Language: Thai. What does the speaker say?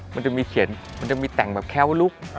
มันจะมีเขียนมันจะมีแต่งแคลลูก